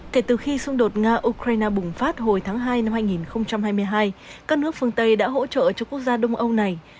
kể từ khi xung đột nga ukraine bùng phát hồi tháng hai năm hai nghìn hai mươi hai các nước phương tây đã hỗ trợ cho quốc gia đông âu này